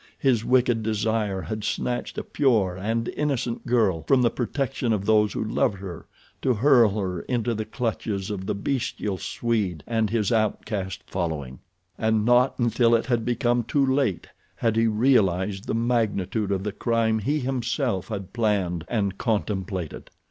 His wicked desire had snatched a pure and innocent girl from the protection of those who loved her to hurl her into the clutches of the bestial Swede and his outcast following! And not until it had become too late had he realized the magnitude of the crime he himself had planned and contemplated.